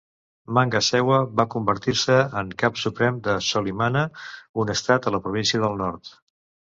Manga Sewa va convertir-se en cap suprem de Solimana, un estat a la Província del Nord.